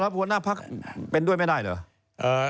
หัวหน้าพักเป็นด้วยไม่ได้เหรอ